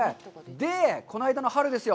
この間の春ですよ。